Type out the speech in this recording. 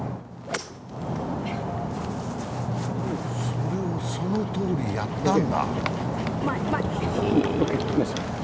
それをそのとおりやったんだ。